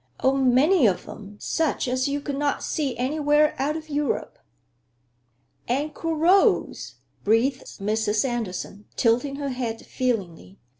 Oh, many of them, such as you could not see anywhere out of Europe." "And Corots," breathed Mrs. Andersen, tilting her head feelingly.